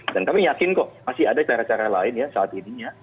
dan kami yakin kok masih ada cara cara lain ya saat ininya